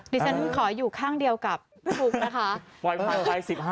ดิฉันขออยู่ข้างเดียวกับพี่ฟุ๊กนะคะ